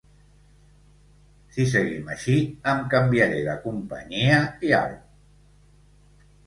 Si seguim així em canviaré de companyia i au.